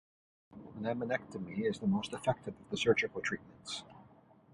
Laminectomy is the most effective of the surgical treatments.